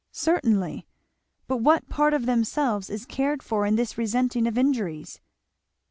"Certainly. But what part of themselves is cared for in this resenting of injuries?"